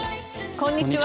こんにちは。